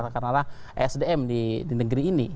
karena sdm di negeri ini